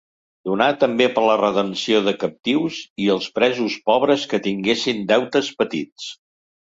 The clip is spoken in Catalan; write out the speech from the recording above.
Donà també per la redempció de captius i els presos pobres que tinguessin deutes petits.